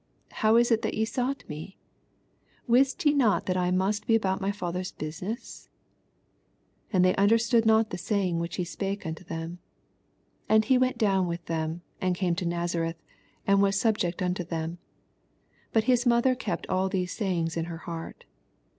How is it that ve sought me f wist ye not that Imust DC about my Father's business I 60 And they understood not the saying which he spake unto them. 61 And he went down with them, and came to Nazareth, and was sub ject unto them ; but ms mother kept all these sayings in her heart.